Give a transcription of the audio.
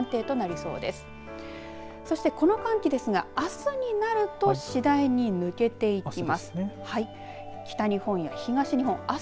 そして、この寒気ですがあすになると次第に抜けていきます。